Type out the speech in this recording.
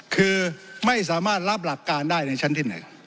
คือไม่สามารถรับหลักการได้ในชั้นที่ไหน